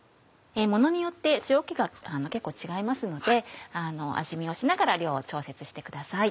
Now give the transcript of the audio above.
ものによって塩気が結構違いますので味見をしながら量を調節してください。